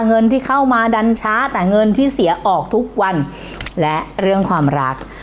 เงินที่เข้ามาดันช้าแต่เงินที่เสียออกทุกวันและเรื่องความรัก